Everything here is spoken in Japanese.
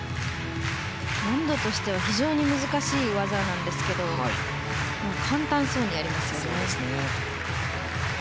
難度としては非常に難しい技なんですが簡単そうにやりますよね。